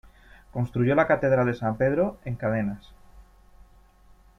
Construyó la Catedral de San Pedro en Cadenas.